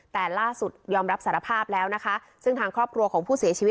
แต่ล่าสุดยอมรับสารภาพแล้วนะคะซึ่งทางครอบครัวของผู้เสียชีวิต